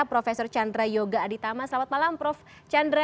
prof chandra yoga aditama selamat malam prof chandra